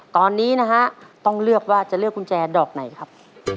ตอนนี้นะฮะต้องเลือกว่าจะเลือกกุญแจดอกไหนครับ